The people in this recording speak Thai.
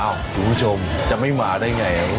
อ้าวผู้ชมจะไม่มาได้อย่างไร